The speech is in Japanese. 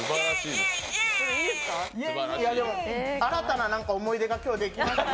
新たな思い出が今日、できましたね。